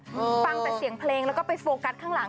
ฟังแต่เสียงเพลงแล้วก็ไปโฟกัสข้างหลัง